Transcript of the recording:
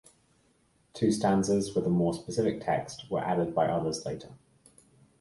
Two stanzas with a more specific text were added by others later.